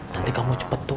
nanti kamu cepet tua